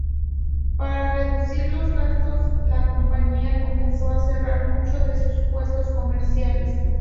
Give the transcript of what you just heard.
Para reducir los gastos, la compañía comenzó a cerrar muchos de sus puestos comerciales.